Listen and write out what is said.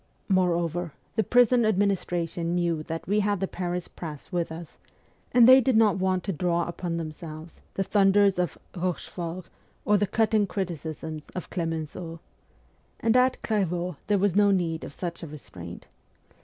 Moreover, the prison administration knew that we had the Paris press with us, and they did not want to draw upon themselves the thunders of Eochefort or the cutting criticisms of Clemenceau. And at Clairvaux there was no need of such a restraint.